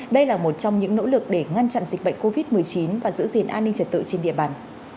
đây là một trong những nỗ lực để ngăn chặn dịch bệnh covid một mươi chín và giữ gìn an ninh trật tự trên địa bàn